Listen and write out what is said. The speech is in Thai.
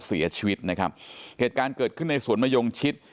เสียชีวิตนะครับเหตุการณ์เกิดขึ้นในสวนมะยงชิด